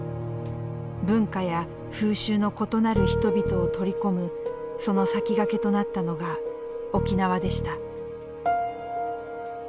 文化や風習の異なる人々を取り込むその先駆けとなったのが沖縄でした。